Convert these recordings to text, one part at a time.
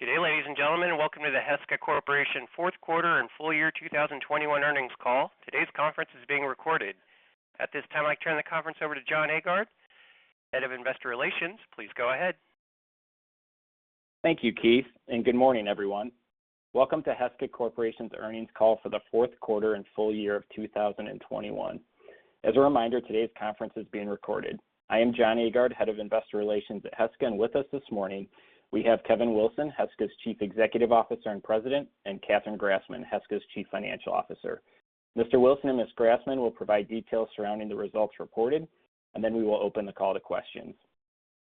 Good day, ladies and gentlemen, and welcome to the Heska Corporation fourth quarter and full year 2021 earnings call. Today's conference is being recorded. At this time, I turn the conference over to Jon Aagaard, Head of Investor Relations. Please go ahead. Thank you, Keith, and good morning, everyone. Welcome to Heska Corporation's earnings call for the fourth quarter and full year of 2021. As a reminder, today's conference is being recorded. I am Jon Aagaard, Head of Investor Relations at Heska, and with us this morning, we have Kevin Wilson, Heska's Chief Executive Officer and President, and Catherine Grassman, Heska's Chief Financial Officer. Mr. Wilson and Ms. Grassman will provide details surrounding the results reported, and then we will open the call to questions.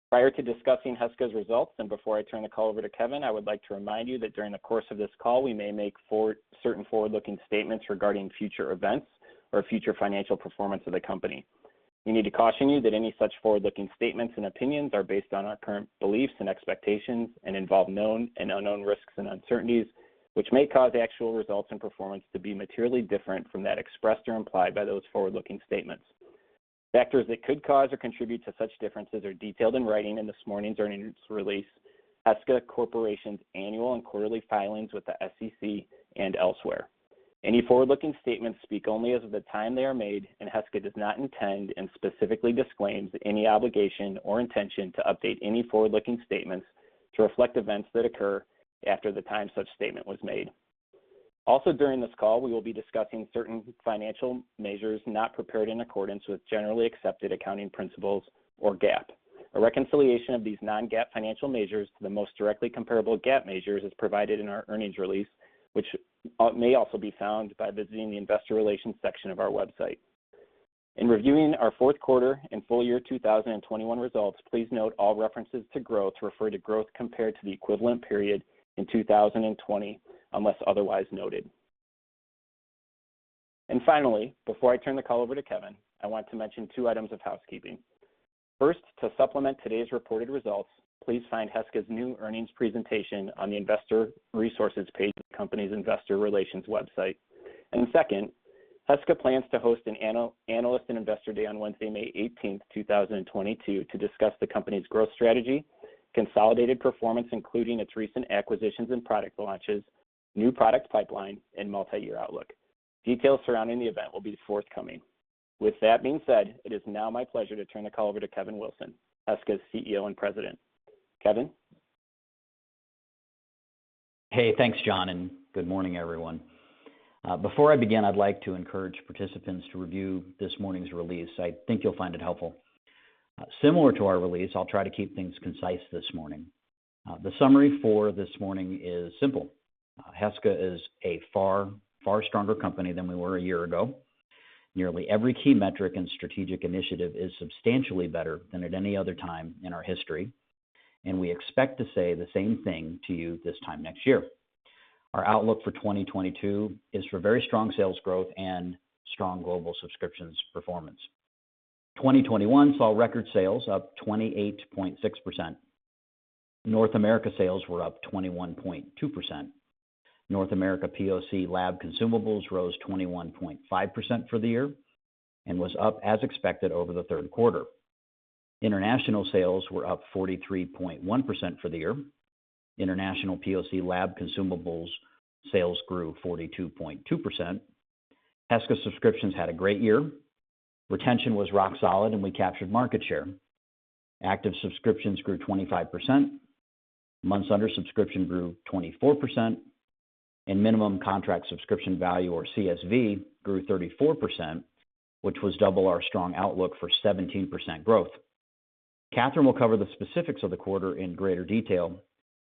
Prior to discussing Heska's results, and before I turn the call over to Kevin, I would like to remind you that during the course of this call we may make certain forward-looking statements regarding future events or future financial performance of the company. We need to caution you that any such forward-looking statements and opinions are based on our current beliefs and expectations and involve known and unknown risks and uncertainties, which may cause actual results and performance to be materially different from that expressed or implied by those forward-looking statements. Factors that could cause or contribute to such differences are detailed in writing in this morning's earnings release, Heska Corporation's annual and quarterly filings with the SEC and elsewhere. Any forward-looking statements speak only as of the time they are made, and Heska does not intend and specifically disclaims any obligation or intention to update any forward-looking statements to reflect events that occur after the time such statement was made. Also, during this call, we will be discussing certain financial measures not prepared in accordance with generally accepted accounting principles or GAAP. A reconciliation of these non-GAAP financial measures to the most directly comparable GAAP measures is provided in our earnings release, which may also be found by visiting the investor relations section of our website. In reviewing our fourth quarter and full year 2021 results, please note all references to growth refer to growth compared to the equivalent period in 2020, unless otherwise noted. Finally, before I turn the call over to Kevin, I want to mention two items of housekeeping. First, to supplement today's reported results, please find Heska's new earnings presentation on the investor resources page of the company's investor relations website. Second, Heska plans to host an analyst and investor day on Wednesday, May 18, 2022, to discuss the company's growth strategy, consolidated performance, including its recent acquisitions and product launches, new product pipeline, and multi-year outlook. Details surrounding the event will be forthcoming. With that being said, it is now my pleasure to turn the call over to Kevin Wilson, Heska's CEO and President. Kevin. Hey, thanks, Jon, and good morning, everyone. Before I begin, I'd like to encourage participants to review this morning's release. I think you'll find it helpful. Similar to our release, I'll try to keep things concise this morning. The summary for this morning is simple. Heska is a far, far stronger company than we were a year ago. Nearly every key metric and strategic initiative is substantially better than at any other time in our history, and we expect to say the same thing to you this time next year. Our outlook for 2022 is for very strong sales growth and strong global subscriptions performance. 2021 saw record sales up 28.6%. North America sales were up 21.2%. North America POC lab consumables rose 21.5% for the year and was up as expected over the third quarter. International sales were up 43.1% for the year. International POC lab consumables sales grew 42.2%. Heska subscriptions had a great year. Retention was rock solid, and we captured market share. Active subscriptions grew 25%. Months under subscription grew 24%. Minimum contract subscription value, or CSV, grew 34%, which was double our strong outlook for 17% growth. Catherine will cover the specifics of the quarter in greater detail,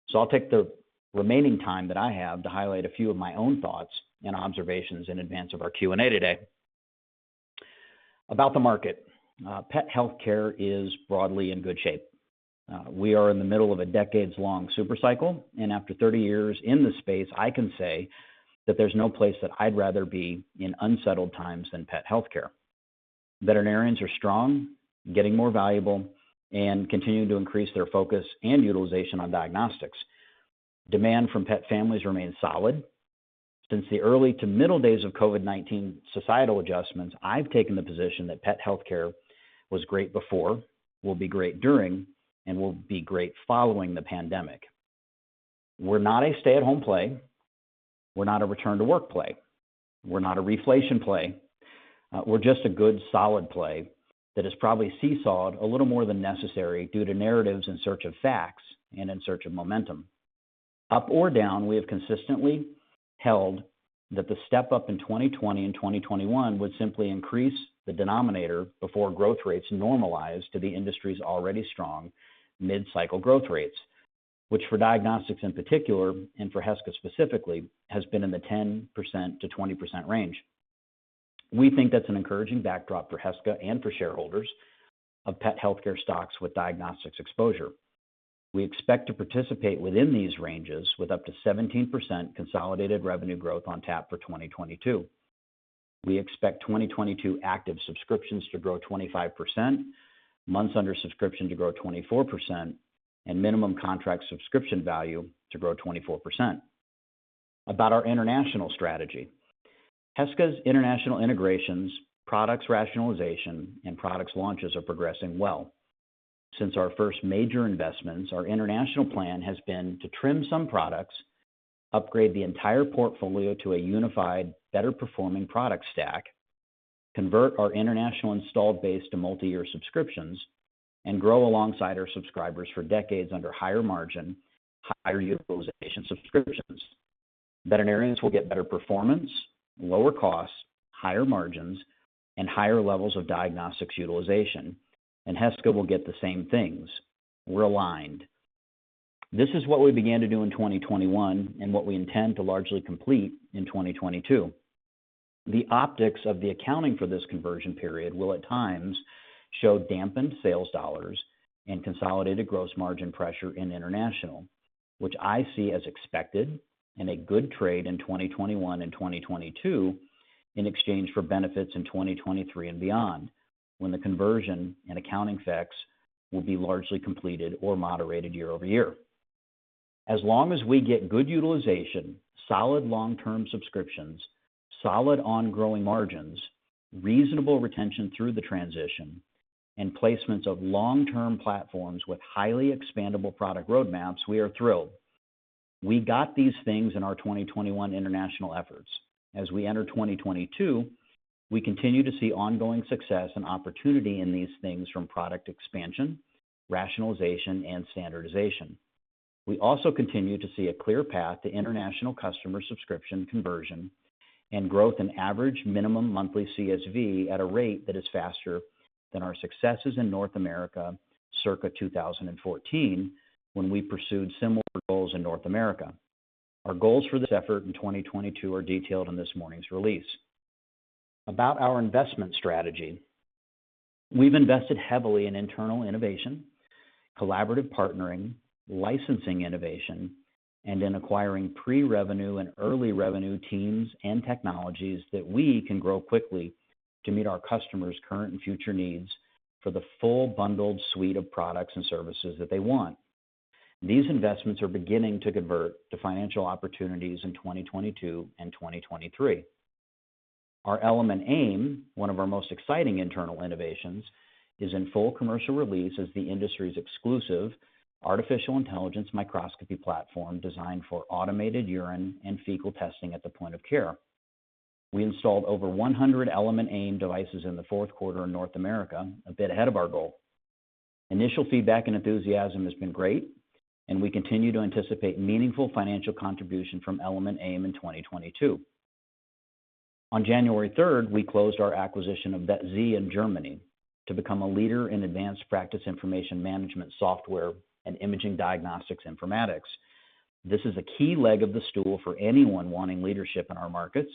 so I'll take the remaining time that I have to highlight a few of my own thoughts and observations in advance of our Q&A today. About the market. Pet healthcare is broadly in good shape. We are in the middle of a decades-long super cycle, and after 30 years in this space, I can say that there's no place that I'd rather be in unsettled times than pet healthcare. Veterinarians are strong, getting more valuable, and continuing to increase their focus and utilization on diagnostics. Demand from pet families remains solid. Since the early to middle days of COVID-19 societal adjustments, I've taken the position that pet healthcare was great before, will be great during, and will be great following the pandemic. We're not a stay-at-home play. We're not a return-to-work play. We're not a reflation play. We're just a good, solid play that has probably seesawed a little more than necessary due to narratives in search of facts and in search of momentum. Up or down, we have consistently held that the step-up in 2020 and 2021 would simply increase the denominator before growth rates normalize to the industry's already strong mid-cycle growth rates, which for diagnostics in particular, and for Heska specifically, has been in the 10%-20% range. We think that's an encouraging backdrop for Heska and for shareholders of pet healthcare stocks with diagnostics exposure. We expect to participate within these ranges with up to 17% consolidated revenue growth on tap for 2022. We expect 2022 active subscriptions to grow 25%, months under subscription to grow 24%, and minimum contract subscription value to grow 24%. About our international strategy. Heska's international integrations, products rationalization, and products launches are progressing well. Since our first major investments, our international plan has been to trim some products, upgrade the entire portfolio to a unified, better-performing product stack, convert our international installed base to multiyear subscriptions, and grow alongside our subscribers for decades under higher margin, higher utilization subscriptions. Veterinarians will get better performance, lower costs, higher margins, and higher levels of diagnostics utilization, and Heska will get the same things. We're aligned. This is what we began to do in 2021 and what we intend to largely complete in 2022. The optics of the accounting for this conversion period will at times show dampened sales dollars and consolidated gross margin pressure in international, which I see as expected and a good trade in 2021 and 2022 in exchange for benefits in 2023 and beyond, when the conversion and accounting effects will be largely completed or moderated year over year. As long as we get good utilization, solid long-term subscriptions, solid ongoing margins, reasonable retention through the transition, and placements of long-term platforms with highly expandable product roadmaps, we are thrilled. We got these things in our 2021 international efforts. As we enter 2022, we continue to see ongoing success and opportunity in these things from product expansion, rationalization, and standardization. We also continue to see a clear path to international customer subscription conversion and growth in average minimum monthly CSV at a rate that is faster than our successes in North America circa 2014 when we pursued similar goals in North America. Our goals for this effort in 2022 are detailed in this morning's release. About our investment strategy. We've invested heavily in internal innovation, collaborative partnering, licensing innovation, and in acquiring pre-revenue and early revenue teams and technologies that we can grow quickly to meet our customers' current and future needs for the full bundled suite of products and services that they want. These investments are beginning to convert to financial opportunities in 2022 and 2023. Our Element AIM, one of our most exciting internal innovations, is in full commercial release as the industry's exclusive artificial intelligence microscopy platform designed for automated urine and fecal testing at the point of care. We installed over 100 Element AIM devices in the fourth quarter in North America, a bit ahead of our goal. Initial feedback and enthusiasm has been great, and we continue to anticipate meaningful financial contribution from Element AIM in 2022. On January third, we closed our acquisition of VetZ in Germany to become a leader in advanced practice information management software and imaging diagnostics informatics. This is a key leg of the stool for anyone wanting leadership in our markets.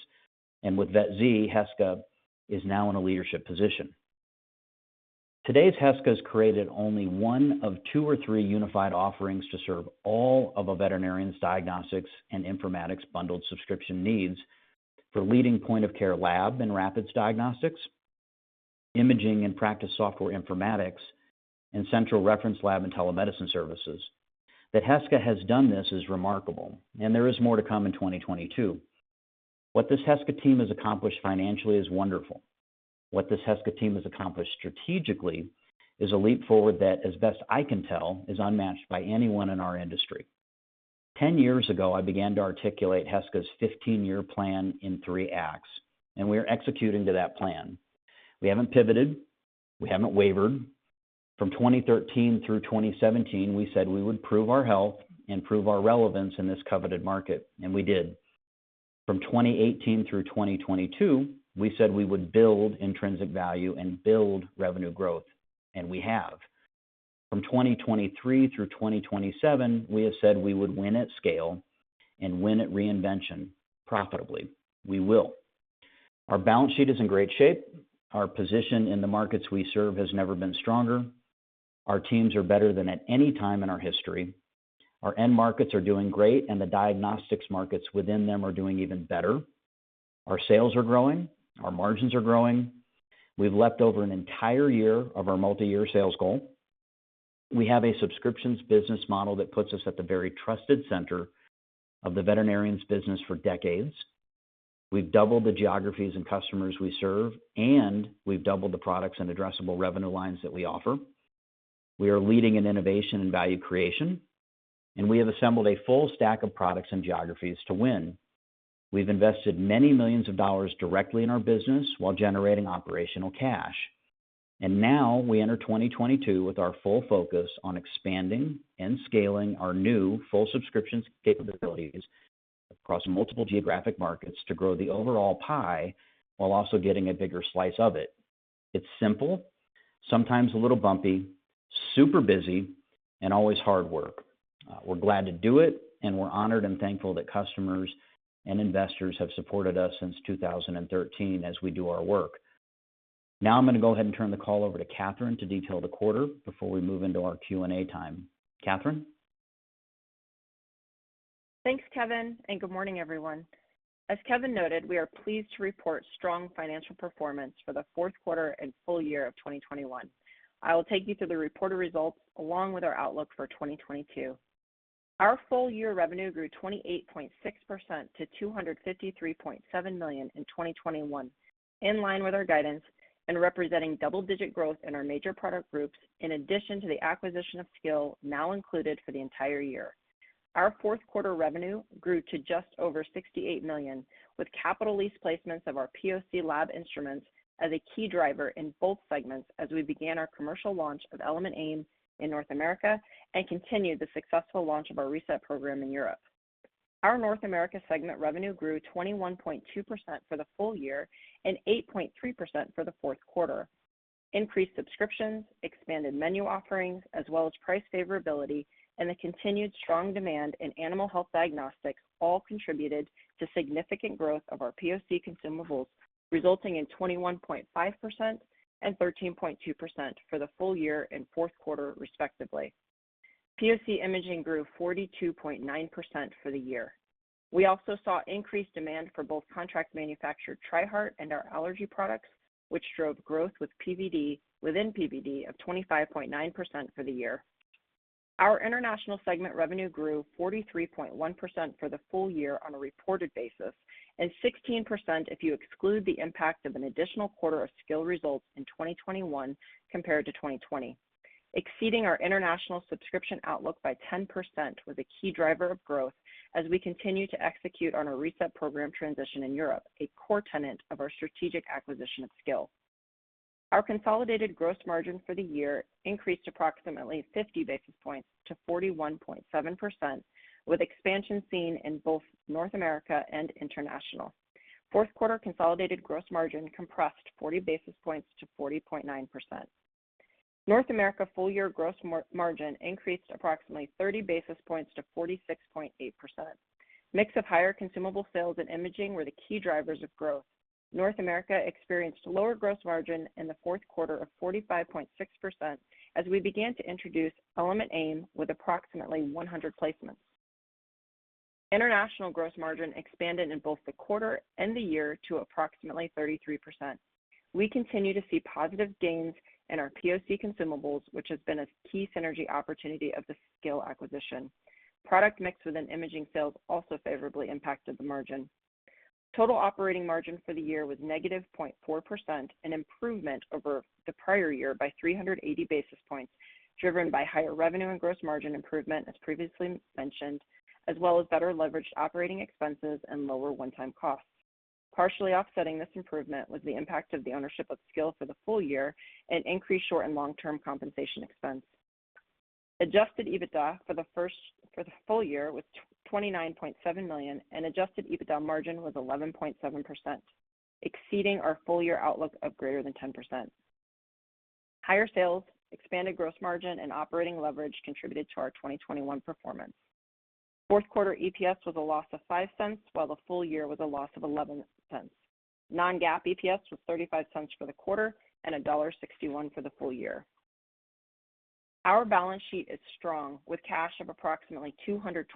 With VetZ, Heska is now in a leadership position. Today's Heska has created only one of two or three unified offerings to serve all of a veterinarian's diagnostics and informatics bundled subscription needs for leading point of care lab and rapid diagnostics, imaging and practice software informatics, and central reference lab and telemedicine services. That Heska has done this is remarkable, and there is more to come in 2022. What this Heska team has accomplished financially is wonderful. What this Heska team has accomplished strategically is a leap forward that, as best I can tell, is unmatched by anyone in our industry. 10 years ago, I began to articulate Heska's 15-year plan in three acts, and we are executing to that plan. We haven't pivoted. We haven't wavered. From 2013 through 2017, we said we would prove our health and prove our relevance in this coveted market, and we did. From 2018 through 2022, we said we would build intrinsic value and build revenue growth, and we have. From 2023 through 2027, we have said we would win at scale and win at reinvention profitably. We will. Our balance sheet is in great shape. Our position in the markets we serve has never been stronger. Our teams are better than at any time in our history. Our end markets are doing great, and the diagnostics markets within them are doing even better. Our sales are growing, our margins are growing. We've leapt over an entire year of our multi-year sales goal. We have a subscriptions business model that puts us at the very trusted center of the veterinarian's business for decades. We've doubled the geographies and customers we serve, and we've doubled the products and addressable revenue lines that we offer. We are leading in innovation and value creation, and we have assembled a full stack of products and geographies to win. We've invested many millions of dollars directly in our business while generating operational cash. Now we enter 2022 with our full focus on expanding and scaling our new full subscriptions capabilities across multiple geographic markets to grow the overall pie while also getting a bigger slice of it. It's simple, sometimes a little bumpy, super busy, and always hard work. We're glad to do it, and we're honored and thankful that customers and investors have supported us since 2013 as we do our work. Now I'm gonna go ahead and turn the call over to Catherine to detail the quarter before we move into our Q&A time. Catherine? Thanks, Kevin, and good morning, everyone. As Kevin noted, we are pleased to report strong financial performance for the fourth quarter and full year of 2021. I will take you through the reported results along with our outlook for 2022. Our full year revenue grew 28.6% to $253.7 million in 2021, in line with our guidance and representing double-digit growth in our major product groups, in addition to the acquisition of scil now included for the entire year. Our fourth quarter revenue grew to just over $68 million, with capital lease placements of our POC lab instruments as a key driver in both segments as we began our commercial launch of Element AIM in North America and continued the successful launch of our Reset program in Europe. Our North America segment revenue grew 21.2% for the full year and 8.3% for the fourth quarter. Increased subscriptions, expanded menu offerings as well as price favorability and the continued strong demand in animal health diagnostics all contributed to significant growth of our POC consumables, resulting in 21.5% and 13.2% for the full year and fourth quarter, respectively. POC imaging grew 42.9% for the year. We also saw increased demand for both contract manufactured Tri-Heart and our allergy products, which drove growth with PVD, within PVD of 25.9% for the year. Our international segment revenue grew 43.1% for the full year on a reported basis, and 16% if you exclude the impact of an additional quarter of scil results in 2021 compared to 2020. Exceeding our international subscription outlook by 10% was a key driver of growth as we continue to execute on our Reset Subscription transition in Europe, a core tenet of our strategic acquisition of scil. Our consolidated gross margin for the year increased approximately 50 basis points to 41.7%, with expansion seen in both North America and International. Fourth quarter consolidated gross margin compressed 40 basis points to 40.9%. North America full year gross margin increased approximately 30 basis points to 46.8%. Mix of higher consumable sales and imaging were the key drivers of growth. North America experienced lower gross margin in the fourth quarter of 45.6% as we began to introduce Element AIM with approximately 100 placements. International gross margin expanded in both the quarter and the year to approximately 33%. We continue to see positive gains in our POC consumables, which has been a key synergy opportunity of the scil acquisition. Product mix within imaging sales also favorably impacted the margin. Total operating margin for the year was negative 0.4%, an improvement over the prior year by 380 basis points, driven by higher revenue and gross margin improvement, as previously mentioned, as well as better leveraged operating expenses and lower one-time costs. Partially offsetting this improvement was the impact of the ownership of scil for the full year and increased short and long-term compensation expense. Adjusted EBITDA for the full year was $29.7 million, and adjusted EBITDA margin was 11.7%, exceeding our full year outlook of greater than 10%. Higher sales, expanded gross margin and operating leverage contributed to our 2021 performance. Fourth quarter EPS was a loss of $0.05, while the full year was a loss of $0.11. Non-GAAP EPS was $0.35 for the quarter and $1.61 for the full year. Our balance sheet is strong with cash of approximately $224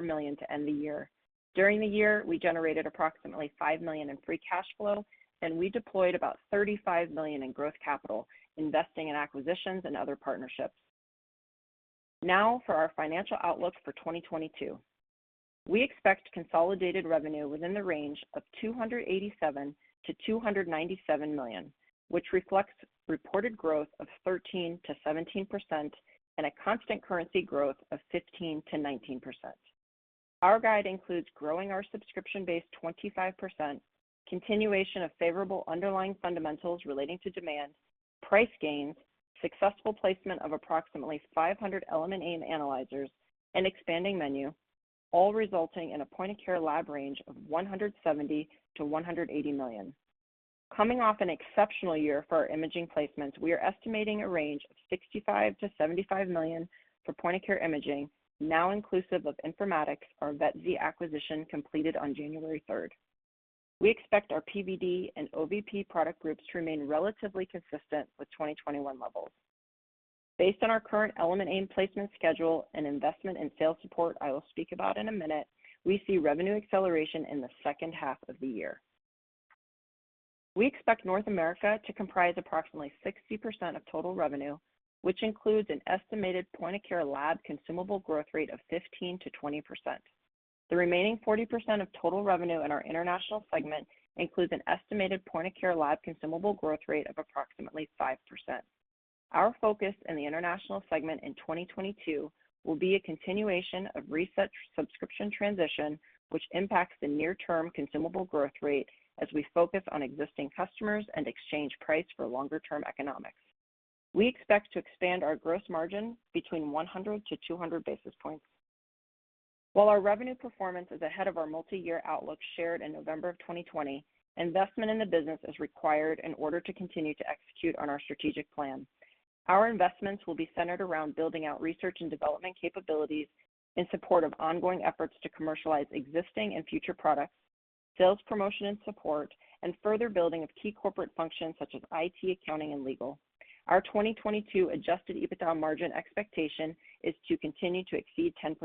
million to end the year. During the year, we generated approximately $5 million in free cash flow, and we deployed about $35 million in growth capital, investing in acquisitions and other partnerships. Now for our financial outlook for 2022. We expect consolidated revenue within the range of $287 million-$297 million, which reflects reported growth of 13%-17% and a constant currency growth of 15%-19%. Our guide includes growing our subscription base 25%, continuation of favorable underlying fundamentals relating to demand, price gains, successful placement of approximately 500 Element AIM analyzers and expanding menu, all resulting in a point of care lab range of $170 million-$180 million. Coming off an exceptional year for our imaging placements, we are estimating a range of $65 million-$75 million for point of care imaging, now inclusive of Informatics, our VetZ acquisition completed on January third. We expect our PVD and OVP product groups to remain relatively consistent with 2021 levels. Based on our current Element AIM placement schedule and investment in sales support I will speak about in a minute, we see revenue acceleration in the second half of the year. We expect North America to comprise approximately 60% of total revenue, which includes an estimated point of care lab consumable growth rate of 15%-20%. The remaining 40% of total revenue in our international segment includes an estimated point of care lab consumable growth rate of approximately 5%. Our focus in the international segment in 2022 will be a continuation of Reset Subscription transition, which impacts the near term consumable growth rate as we focus on existing customers and exchange price for longer term economics. We expect to expand our gross margin between 100-200 basis points. While our revenue performance is ahead of our multi-year outlook shared in November of 2020, investment in the business is required in order to continue to execute on our strategic plan. Our investments will be centered around building out R&D capabilities in support of ongoing efforts to commercialize existing and future products, sales, promotion and support, and further building of key corporate functions such as IT, accounting and legal. Our 2022 adjusted EBITDA margin expectation is to continue to exceed 10%.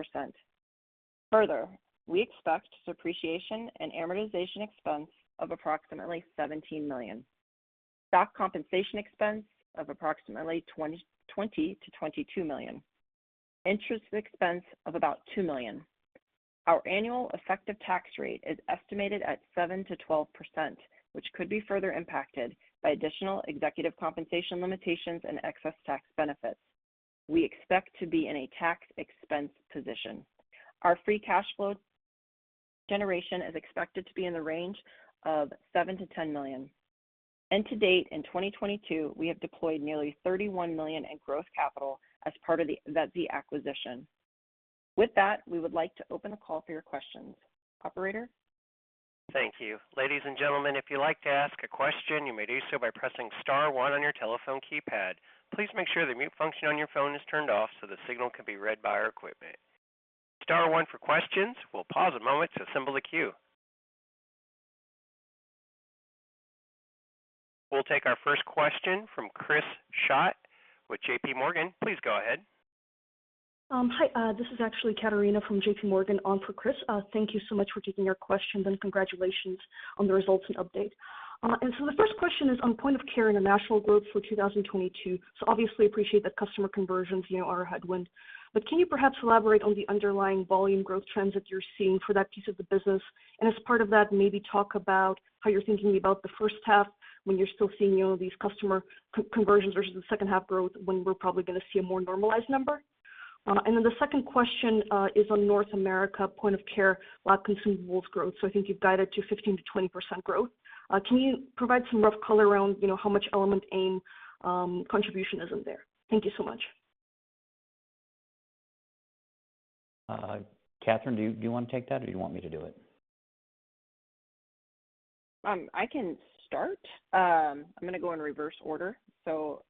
Further, we expect depreciation and amortization expense of approximately $17 million. Stock compensation expense of approximately 20 to 22 million. Interest expense of about $2 million. Our annual effective tax rate is estimated at 7%-12%, which could be further impacted by additional executive compensation limitations and excess tax benefits. We expect to be in a tax expense position. Our free cash flow generation is expected to be in the range of $7 million-$10 million. To date, in 2022, we have deployed nearly $31 million in growth capital as part of the VetZ acquisition. With that, we would like to open the call for your questions. Operator? Thank you. Ladies and gentlemen, if you'd like to ask a question, you may do so by pressing star one on your telephone keypad. Please make sure the mute function on your phone is turned off so the signal can be read by our equipment. Star one for questions. We'll pause a moment to assemble the queue. We'll take our first question from Chris Schott with JPMorgan. Please go ahead. Hi, this is actually Catarina from JP Morgan on for Chris. Thank you so much for taking our questions, and congratulations on the results and update. The first question is on point of care international growth for 2022. Obviously appreciate that customer conversions, you know, are a headwind. Can you perhaps elaborate on the underlying volume growth trends that you're seeing for that piece of the business? And as part of that, maybe talk about how you're thinking about the first half when you're still seeing, you know, these customer conversions versus the second half growth when we're probably gonna see a more normalized number. The second question is on North America point of care lab consumables growth. I think you've guided to 15%-20% growth. Can you provide some rough color around, you know, how much Element AIM contribution is in there? Thank you so much. Catherine, do you wanna take that or do you want me to do it? I can start. I'm gonna go in reverse order.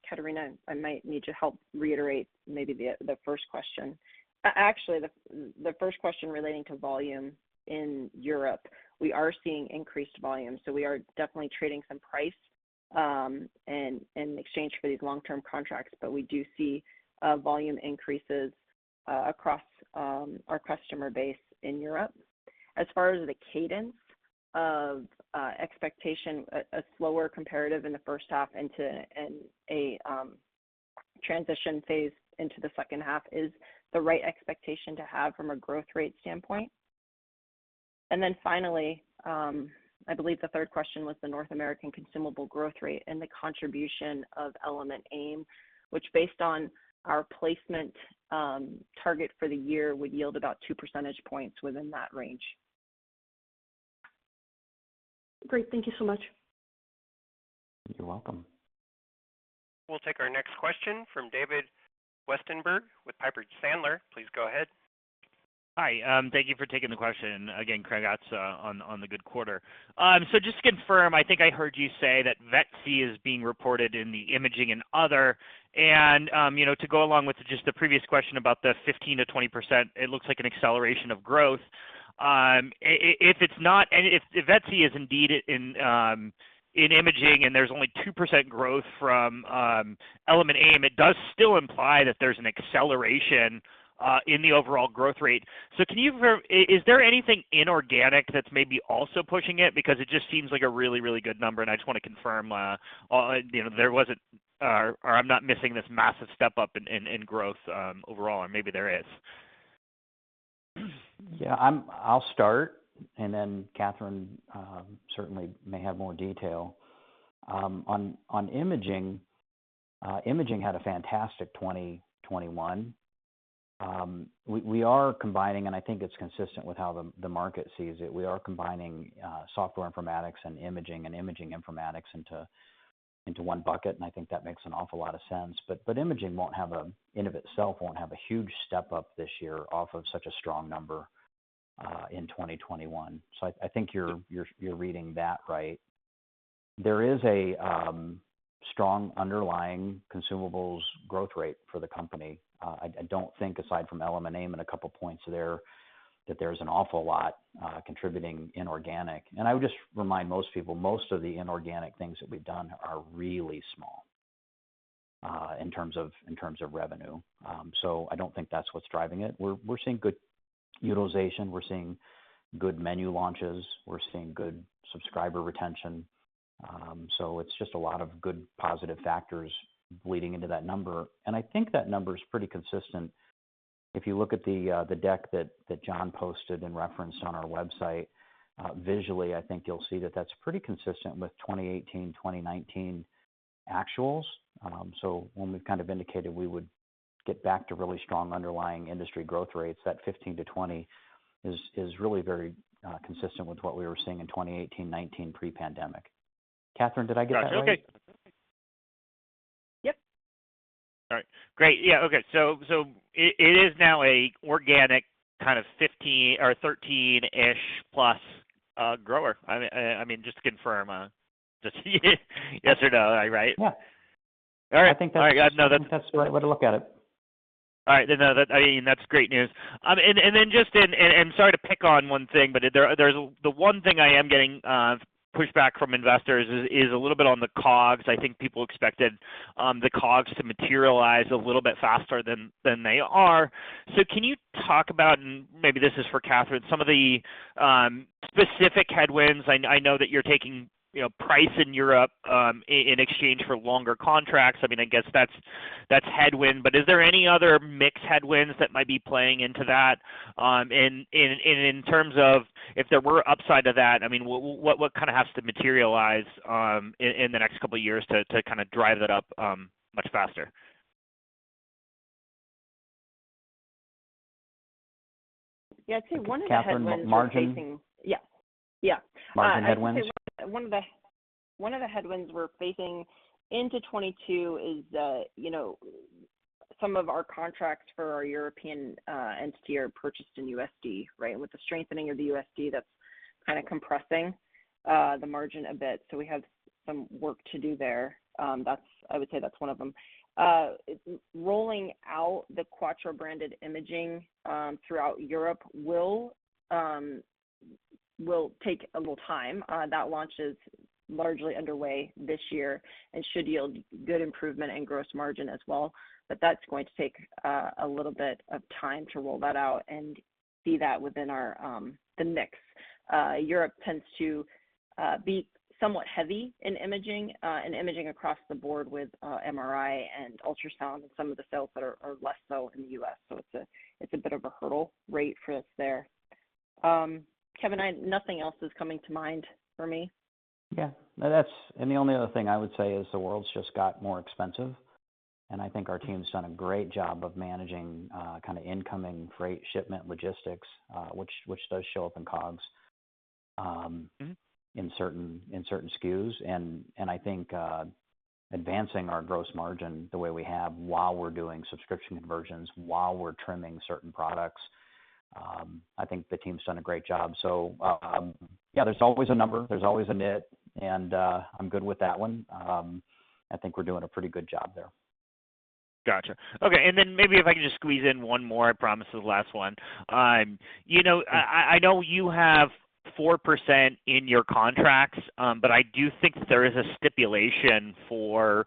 Catarina, I might need your help reiterate maybe the first question. Actually, the first question relating to volume in Europe, we are seeing increased volume, so we are definitely trading some price in exchange for these long-term contracts, but we do see volume increases across our customer base in Europe. As far as the cadence of expectation, a slower comparative in the first half into a transition phase into the second half is the right expectation to have from a growth rate standpoint. Finally, I believe the third question was the North American consumable growth rate and the contribution of Element AIM, which based on our placement target for the year would yield about two percentage points within that range. Great. Thank you so much. You're welcome. We'll take our next question from David Westenberg with Piper Sandler. Please go ahead. Hi. Thank you for taking the question. Again, congrats on the good quarter. So just to confirm, I think I heard you say that VetZ is being reported in the imaging and informatics, you know, to go along with just the previous question about the 15%-20%, it looks like an acceleration of growth. If VetZ is indeed in imaging and there's only 2% growth from Element AIM, it does still imply that there's an acceleration in the overall growth rate. So is there anything inorganic that's maybe also pushing it? Because it just seems like a really, really good number, and I just wanna confirm, you know, there wasn't or I'm not missing this massive step up in growth, overall, or maybe there is. I'll start, and then Catherine certainly may have more detail. On imaging had a fantastic 2021. We are combining, and I think it's consistent with how the market sees it. We are combining software informatics and imaging and imaging informatics into one bucket, and I think that makes an awful lot of sense. Imaging in and of itself won't have a huge step up this year off of such a strong number in 2021. I think you're reading that right. There is a strong underlying consumables growth rate for the company. I don't think aside from Element AIM and a couple points there, that there's an awful lot contributing inorganic. I would just remind most people, most of the inorganic things that we've done are really small in terms of revenue. So I don't think that's what's driving it. We're seeing good utilization. We're seeing good menu launches. We're seeing good subscriber retention. It's just a lot of good positive factors leading into that number. I think that number is pretty consistent. If you look at the deck that Jon posted and referenced on our website, visually, I think you'll see that that's pretty consistent with 2018, 2019 actuals. When we kind of indicated we would get back to really strong underlying industry growth rates, that 15%-20% is really very consistent with what we were seeing in 2018, 2019 pre-pandemic. Catherine, did I get that right? Yep. All right. Great. Yeah, okay. It is now an organic kind of 15%-13%-ish plus grower. I mean, just to confirm, just yes or no. Am I right? Yeah. All right. I think that's. All right. I think that's the right way to look at it. All right. No, I mean, that's great news. Then just, I'm sorry to pick on one thing, but the one thing I am getting pushback from investors is a little bit on the COGS. I think people expected the COGS to materialize a little bit faster than they are. Can you talk about, and maybe this is for Catherine, some of the specific headwinds? I know that you're taking, you know, price in Europe in exchange for longer contracts. I mean, I guess that's headwind. Is there any other mixed headwinds that might be playing into that, in terms of if there were upside to that, I mean, what kind of has to materialize, in the next couple of years to kind of drive it up, much faster? Yeah. I'd say one of the headwinds we're facing. Catherine, margin? Yeah. Yeah. Margin headwinds. I would say one of the headwinds we're facing into 2022 is that, you know, some of our contracts for our European entity are purchased in USD, right? With the strengthening of the USD, that's kind of compressing the margin a bit. So we have some work to do there. I would say that's one of them. Rolling out the Cuattro-branded imaging throughout Europe will take a little time. That launch is largely underway this year and should yield good improvement in gross margin as well. That's going to take a little bit of time to roll that out and see that within our the mix. Europe tends to be somewhat heavy in imaging across the board with MRI and ultrasound and some of the sales that are less so in the U.S. It's a bit of a hurdle rate for us there. Kevin, nothing else is coming to mind for me. The only other thing I would say is the world's just got more expensive. I think our team's done a great job of managing kind of incoming freight shipment logistics, which does show up in COGS. Mm-hmm in certain SKUs. I think advancing our gross margin the way we have while we're doing subscription conversions, while we're trimming certain products, I think the team's done a great job. Yeah, there's always a number, there's always a nit, and I'm good with that one. I think we're doing a pretty good job there. Gotcha. Okay. Maybe if I could just squeeze in one more. I promise this is the last one. You know, I know you have 4% in your contracts, but I do think that there is a stipulation for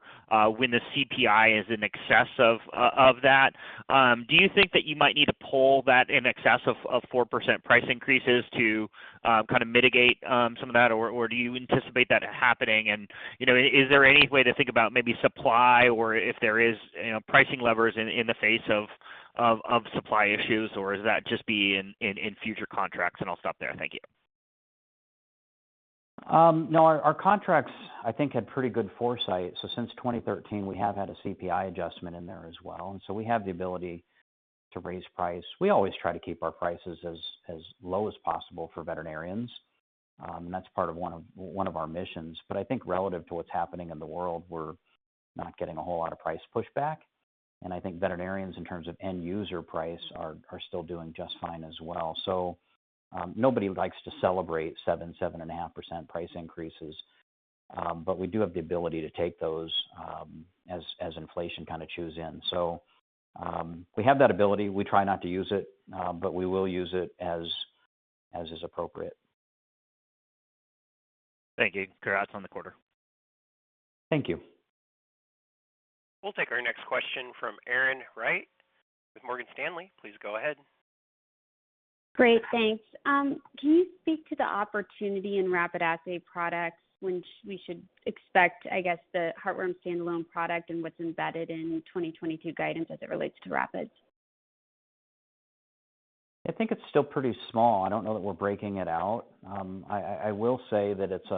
when the CPI is in excess of that. Do you think that you might need to pull that in excess of 4% price increases to kind of mitigate some of that? Or do you anticipate that happening? You know, is there any way to think about maybe supply or if there is you know pricing levers in the face of supply issues, or is that just be in future contracts? I'll stop there. Thank you. No, our contracts, I think, had pretty good foresight. Since 2013, we have had a CPI adjustment in there as well, and so we have the ability to raise price. We always try to keep our prices as low as possible for veterinarians, and that's part of one of our missions. I think relative to what's happening in the world, we're not getting a whole lot of price pushback. I think veterinarians in terms of end user price are still doing just fine as well. Nobody likes to celebrate 7.5% price increases, but we do have the ability to take those, as inflation kind of kicks in. We have that ability. We try not to use it, but we will use it as is appropriate. Thank you. Congrats on the quarter. Thank you. We'll take our next question from Erin Wright with Morgan Stanley. Please go ahead. Great. Thanks. Can you speak to the opportunity in rapid assay products, when we should expect, I guess, the heartworm standalone product and what's embedded in 2022 guidance as it relates to Rapids? I think it's still pretty small. I don't know that we're breaking it out. I will say that it's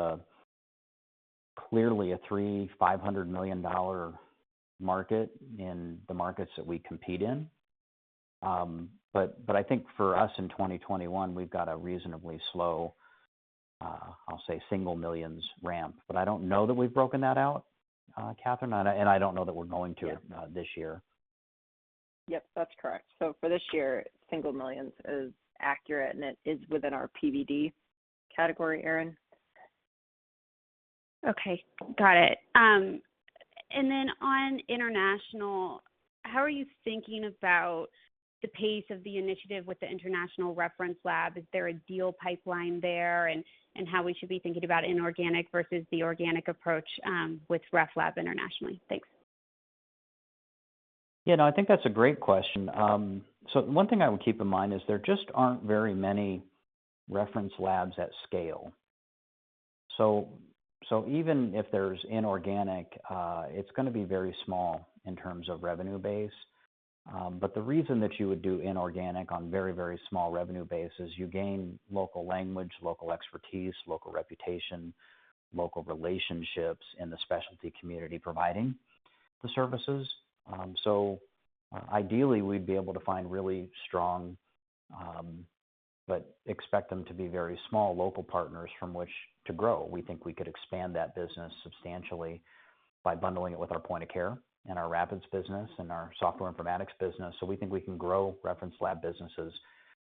clearly a $350 million market in the markets that we compete in. I think for us in 2021, we've got a reasonably slow, I'll say single millions ramp. I don't know that we've broken that out, Catherine, and I don't know that we're going to- Yeah this year. Yep, that's correct. For this year, single millions is accurate, and it is within our PVD category, Erin. Okay. Got it. On international, how are you thinking about the pace of the initiative with the international reference lab? Is there a deal pipeline there? How should we be thinking about inorganic versus the organic approach with ref lab internationally? Thanks. Yeah. No, I think that's a great question. One thing I would keep in mind is there just aren't very many reference labs at scale. Even if there's inorganic, it's gonna be very small in terms of revenue base. The reason that you would do inorganic on very, very small revenue base is you gain local language, local expertise, local reputation, local relationships in the specialty community providing the services. Ideally, we'd be able to find really strong, but expect them to be very small local partners from which to grow. We think we could expand that business substantially by bundling it with our point of care and our Rapids business and our software informatics business. We think we can grow reference lab businesses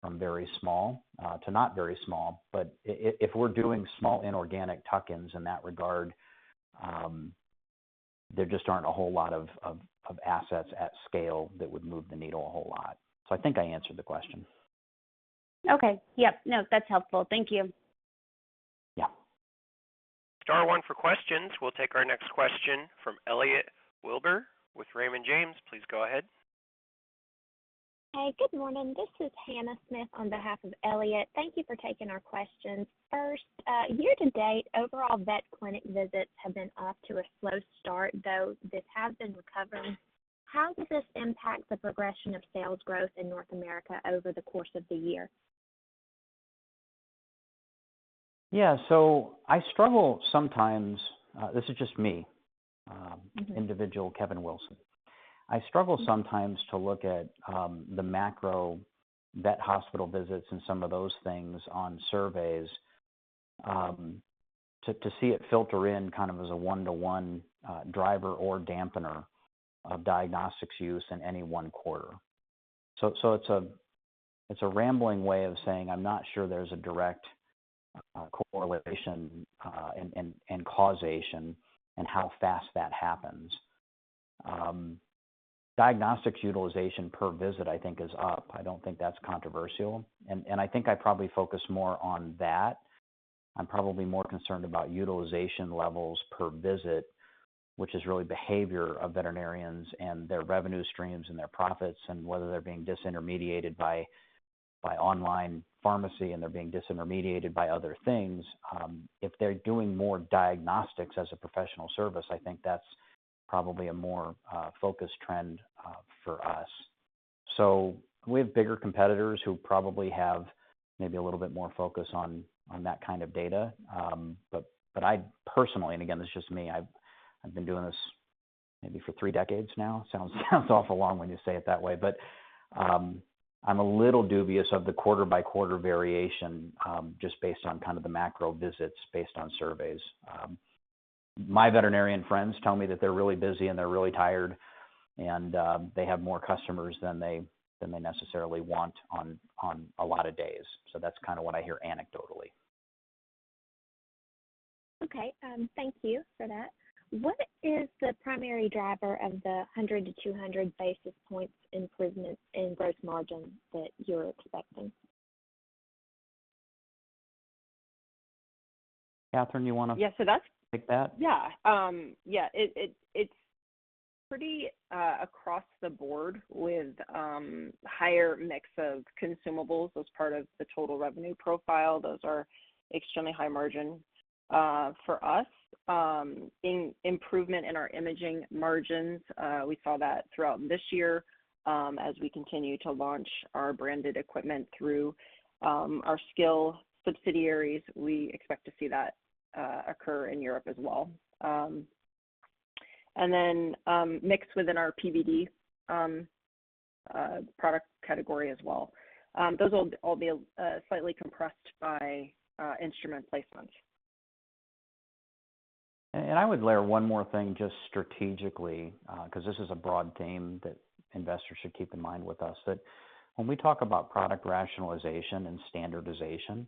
from very small to not very small. If we're doing small inorganic tuck-ins in that regard, there just aren't a whole lot of assets at scale that would move the needle a whole lot. I think I answered the question. Okay. Yep. No, that's helpful. Thank you. Yeah. Star one for questions. We'll take our next question from Elliot Wilbur with Raymond James. Please go ahead. Hey, good morning. This is Hannah Smith on behalf of Elliot. Thank you for taking our questions. First, year-to-date, overall vet clinic visits have been off to a slow start, though this has been recovering. How does this impact the progression of sales growth in North America over the course of the year? Yeah. I struggle sometimes, this is just me- Mm-hmm Individual Kevin Wilson. I struggle sometimes to look at the macro vet hospital visits and some of those things on surveys to see it filter in kind of as a one-to-one driver or dampener of diagnostics use in any one quarter. So it's a rambling way of saying I'm not sure there's a direct correlation and causation in how fast that happens. Diagnostics utilization per visit I think is up. I don't think that's controversial. I think I probably focus more on that. I'm probably more concerned about utilization levels per visit, which is really behavior of veterinarians and their revenue streams and their profits, and whether they're being disintermediated by online pharmacy, and they're being disintermediated by other things. If they're doing more diagnostics as a professional service, I think that's probably a more focused trend for us. We have bigger competitors who probably have maybe a little bit more focus on that kind of data. I personally, and again, this is just me, I've been doing this maybe for three decades now. Sounds awful long when you say it that way. I'm a little dubious of the quarter-by-quarter variation just based on kind of the macro visits based on surveys. My veterinarian friends tell me that they're really busy, and they're really tired, and they have more customers than they necessarily want on a lot of days. That's kinda what I hear anecdotally. Okay. Thank you for that. What is the primary driver of the 100-200 basis points improvement in gross margin that you're expecting? Catherine, you wanna- Yes. Take that? It's pretty across the board with higher mix of consumables as part of the total revenue profile. Those are extremely high margin for us. Improvement in our imaging margins, we saw that throughout this year. As we continue to launch our branded equipment through our scil subsidiaries, we expect to see that occur in Europe as well. Mix within our PVD product category as well. Those will all be slightly compressed by instrument placements. I would layer one more thing just strategically, 'cause this is a broad theme that investors should keep in mind with us, that when we talk about product rationalization and standardization,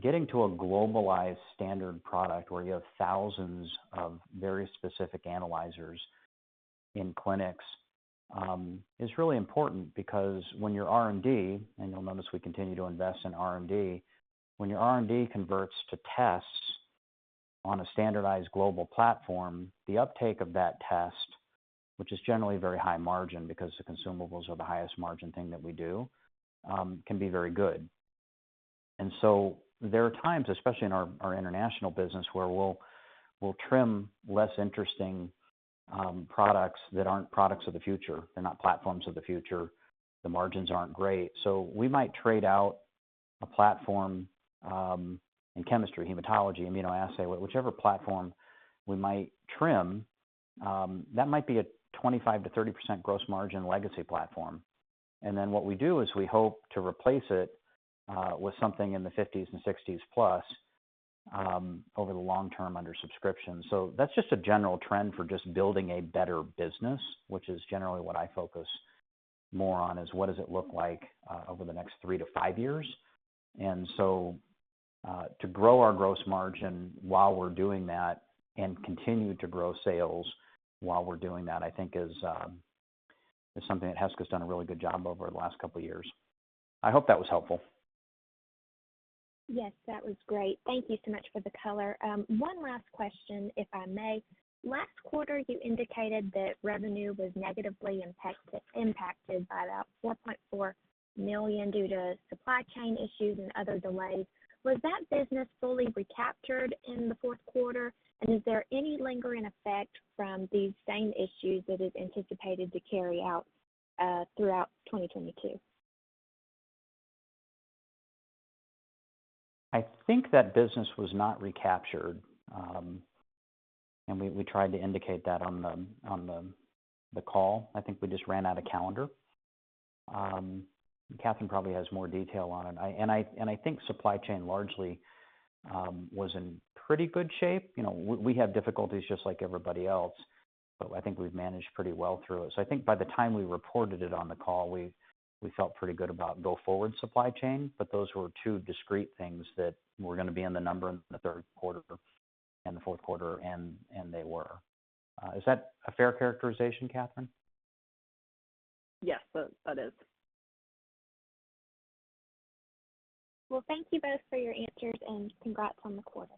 getting to a globalized standard product where you have thousands of very specific analyzers in clinics, is really important because when your R&D, and you'll notice we continue to invest in R&D, when your R&D converts to tests on a standardized global platform, the uptake of that test, which is generally very high margin because the consumables are the highest margin thing that we do, can be very good. There are times, especially in our international business, where we'll trim less interesting products that aren't products of the future. They're not platforms of the future. The margins aren't great. We might trade out a platform in chemistry, hematology, immunoassay, whichever platform we might trim, that might be a 25%-30% gross margin legacy platform. Then what we do is we hope to replace it with something in the 50s and 60s plus over the long term under subscription. That's just a general trend for just building a better business, which is generally what I focus more on, is what does it look like over the next three to five years. To grow our gross margin while we're doing that and continue to grow sales while we're doing that, I think is something that Heska's done a really good job over the last couple years. I hope that was helpful. Yes, that was great. Thank you so much for the color. One last question, if I may. Last quarter, you indicated that revenue was negatively impacted by about $4.4 million due to supply chain issues and other delays. Was that business fully recaptured in the fourth quarter? Is there any lingering effect from these same issues that is anticipated to carry out throughout 2022? I think that business was not recaptured. We tried to indicate that on the call. I think we just ran out of calendar. Catherine probably has more detail on it. I think supply chain largely was in pretty good shape. You know, we had difficulties just like everybody else. I think we've managed pretty well through it. I think by the time we reported it on the call, we felt pretty good about go-forward supply chain, but those were two discrete things that were gonna be in the number in the third quarter and the fourth quarter, and they were. Is that a fair characterization, Catherine? Yes. That is. Well, thank you both for your answers, and congrats on the quarter.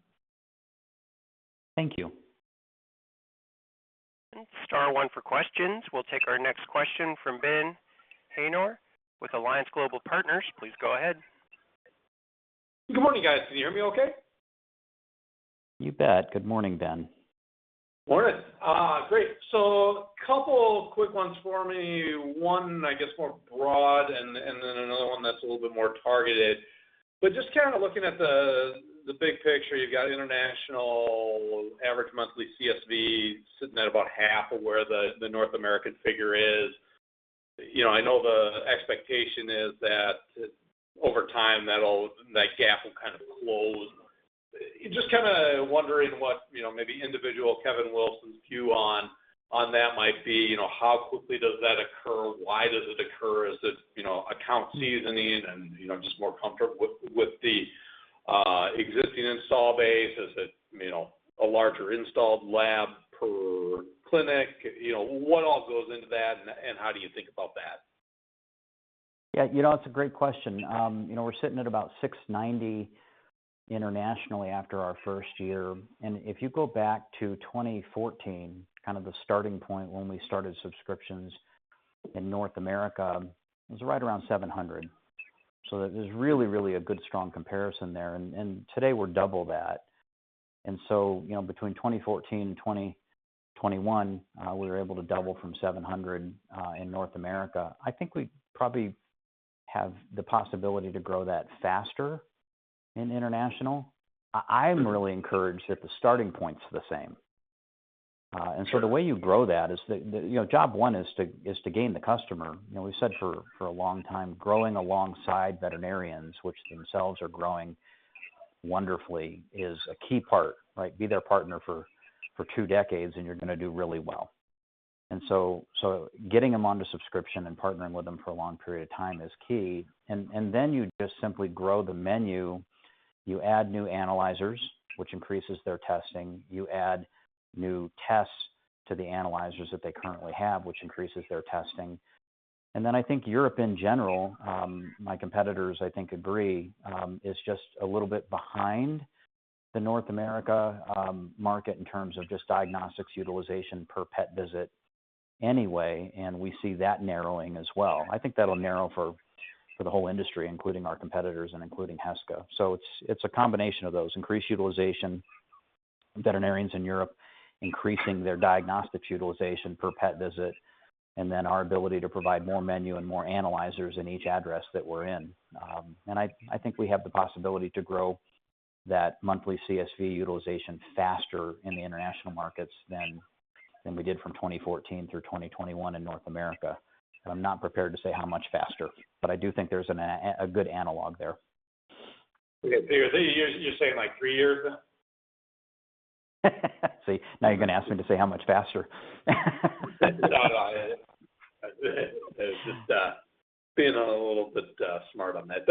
Thank you. Thanks. Star one for questions. We'll take our next question from Ben Haynor with Alliance Global Partners. Please go ahead. Good morning, guys. Can you hear me okay? You bet. Good morning, Ben. Morning. Great. Couple quick ones for me. One, I guess more broad and then another one that's a little bit more targeted. Just kinda looking at the big picture, you've got international average monthly CSV sitting at about half of where the North American figure is. You know, I know the expectation is that over time, that gap will kind of close. Just kinda wondering what, you know, maybe individual Kevin Wilson's view on that might be. You know, how quickly does that occur? Why does it occur? Is it, you know, account seasoning and, you know, just more comfortable with the existing install base? Is it, you know, a larger installed lab per clinic? You know, what all goes into that and how do you think about that? Yeah, you know, it's a great question. You know, we're sitting at about $690 internationally after our first year, and if you go back to 2014, kind of the starting point when we started subscriptions in North America, it was right around $700. There's really a good strong comparison there. And today we're double that. You know, between 2014 and 2021, we were able to double from $700 in North America. I think we probably have the possibility to grow that faster in international. I'm really encouraged that the starting point's the same. The way you grow that is... You know, job one is to gain the customer. You know, we've said for a long time, growing alongside veterinarians, which themselves are growing wonderfully, is a key part, right? Be their partner for two decades and you're gonna do really well. Getting them onto subscription and partnering with them for a long period of time is key. Then you just simply grow the menu. You add new analyzers, which increases their testing. You add new tests to the analyzers that they currently have, which increases their testing. Then I think Europe in general, my competitors I think agree, is just a little bit behind the North American market in terms of just diagnostics utilization per pet visit anyway, and we see that narrowing as well. I think that'll narrow for the whole industry, including our competitors and including Heska. It's a combination of those: increased utilization, veterinarians in Europe increasing their diagnostics utilization per pet visit, and our ability to provide more menu and more analyzers in each address that we're in. I think we have the possibility to grow that monthly CSV utilization faster in the international markets than we did from 2014 through 2021 in North America. I'm not prepared to say how much faster, but I do think there's a good analog there. Okay. You're saying like three years then? See, now you're gonna ask me to say how much faster. thought it was just being a little bit smart on that.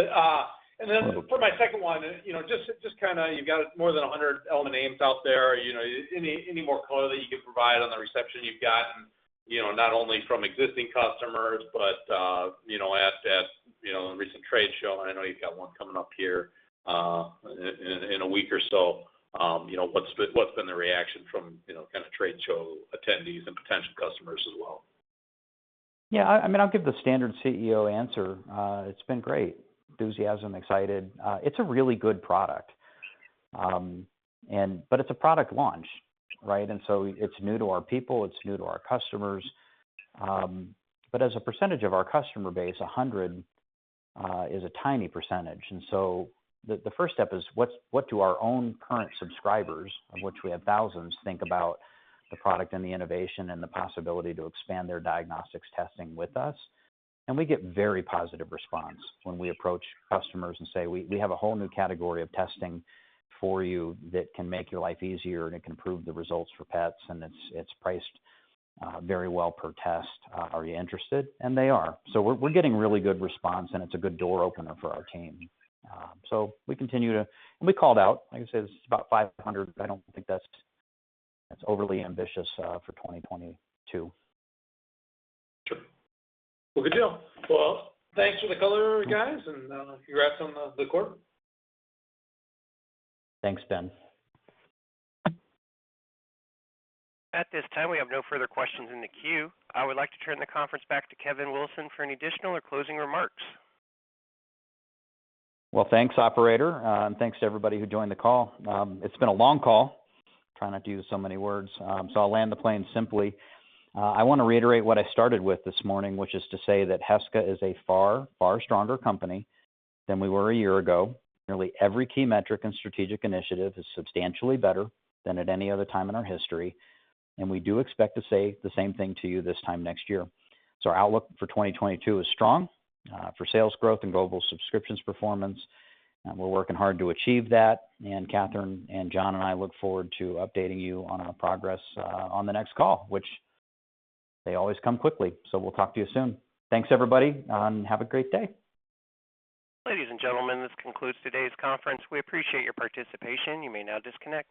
And then for my second one, you know, just kinda you've got more than 100 Element AIM out there. You know, any more color that you can provide on the reception you've gotten, you know, not only from existing customers, but you know, at the recent trade show, and I know you've got one coming up here in a week or so. You know, what's been the reaction from kinda trade show attendees and potential customers as well? Yeah. I mean, I'll give the standard CEO answer. It's been great. Enthusiasm, excited. It's a really good product. It's a product launch, right? It's new to our people, it's new to our customers. As a percentage of our customer base, 100 is a tiny percentage. The first step is what do our own current subscribers, of which we have thousands, think about the product and the innovation and the possibility to expand their diagnostics testing with us? We get very positive response when we approach customers and say, "We have a whole new category of testing for you that can make your life easier, and it can improve the results for pets, and it's priced very well per test. Are you interested?" They are. We're getting really good response, and it's a good door opener for our team. We called out, like I said, this is about 500. I don't think that's overly ambitious for 2022. Sure. Well, good deal. Well, thanks for the color, guys, and congrats on the quarter. Thanks, Ben. At this time, we have no further questions in the queue. I would like to turn the conference back to Kevin Wilson for any additional or closing remarks. Well, thanks, operator, and thanks to everybody who joined the call. It's been a long call. Try not to use so many words, so I'll land the plane simply. I wanna reiterate what I started with this morning, which is to say that Heska is a far, far stronger company than we were a year ago. Nearly every key metric and strategic initiative is substantially better than at any other time in our history, and we do expect to say the same thing to you this time next year. Our outlook for 2022 is strong, for sales growth and global subscriptions performance, and we're working hard to achieve that. Catherine and Jon and I look forward to updating you on our progress, on the next call, which they always come quickly. We'll talk to you soon. Thanks, everybody, and have a great day. Ladies and gentlemen, this concludes today's conference. We appreciate your participation. You may now disconnect.